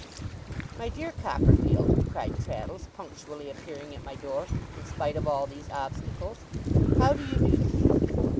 'My dear Copperfield,' cried Traddles, punctually appearing at my door, in spite of all these obstacles, 'how do you do?